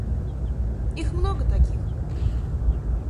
Их много таких.